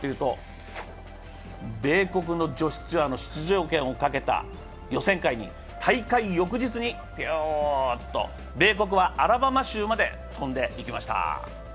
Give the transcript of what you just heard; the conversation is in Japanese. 米国の女子ツアーの出場権をかけた予選会に大会翌日にぴゅーっと米国はアラバマ州まで飛んでいきました。